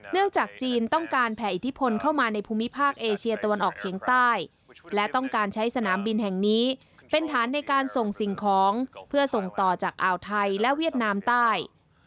จากจีนต้องการแผ่อิทธิพลเข้ามาในภูมิภาคเอเชียตะวันออกเฉียงใต้และต้องการใช้สนามบินแห่งนี้เป็นฐานในการส่งสิ่งของเพื่อส่งต่อจากอ่าวไทยและเวียดนามใต้